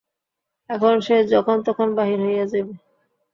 এখন সে যখন-তখন বাহির হইয়া যায়।